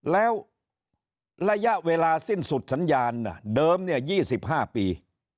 แล้วระยะเวลาสิ้นสุดสัญญาณเดิม๒๕ปี